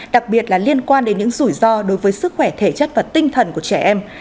đặc biệt là liên quan đến những rủi ro đối với sức khỏe thể chất và tinh thần của trẻ em